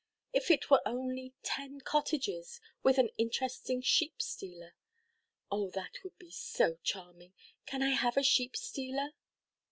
If it were only ten cottages, with an interesting sheep–stealer! Oh, that would be so charming. Can I have a sheep–stealer?"